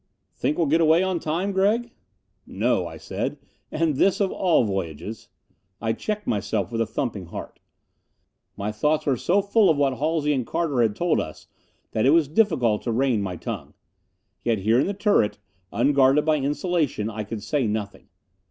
"Think we'll get away on time, Gregg?" "No," I said. "And this of all voyages " I checked myself, with thumping heart. My thoughts were so full of what Halsey and Carter had told us that it was difficult to rein my tongue. Yet here in the turret, unguarded by insulation, I could say nothing.